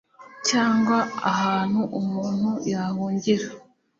cyangwa ahantu umuntu yahungira